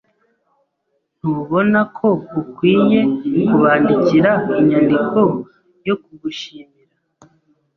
Ntubona ko ukwiye kubandikira inyandiko yo kugushimira?